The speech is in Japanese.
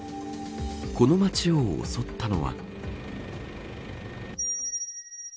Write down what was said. この町を襲ったのは。